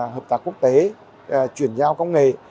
hợp tác quốc tế chuyển giao công nghệ